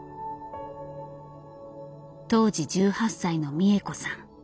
当時１８歳の三枝子さん。